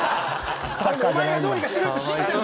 最後お前がどうにかしてくれるって信じてる。